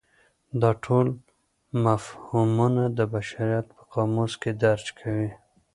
دا ټول مفهومونه د بشریت په قاموس کې درج کوي.